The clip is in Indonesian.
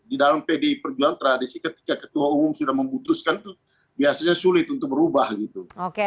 di dalam pdi perjuangan tradisi ketika ketua umum sudah memutuskan itu biasanya sulit untuk berubah gitu